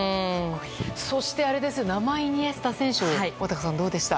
そして、生イニエスタ選手小高さん、どうでした？